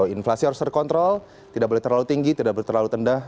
inflasi harus terkontrol tidak boleh terlalu tinggi tidak boleh terlalu rendah